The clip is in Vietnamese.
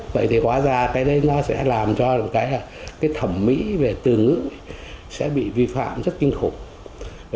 vậy thì quá ra cái đấy nó sẽ làm cho cái thẩm mỹ về từ ngữ sẽ bị vi phạm rất kinh khủng